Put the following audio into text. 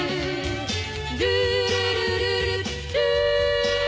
「ルールルルルルー」